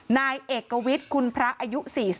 นายเอกวิทย์คุณพระอายุ๔๐